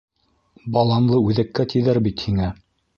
— Баланлы үҙәккә тиҙәр бит һиңә.